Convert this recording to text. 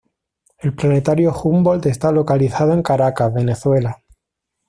El Planetario Humboldt está localizado en Caracas, Venezuela.